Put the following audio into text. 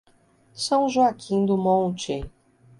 São Joaquim do Monte